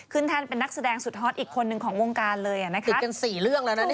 แท่นเป็นนักแสดงสุดฮอตอีกคนหนึ่งของวงการเลยติดกัน๔เรื่องแล้วนะ